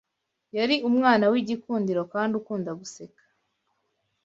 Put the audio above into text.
Yari umwana w’igikundiro kandi ukunda guseka